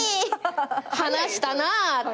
話したなぁって。